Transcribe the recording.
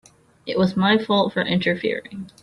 It was my fault for interfering.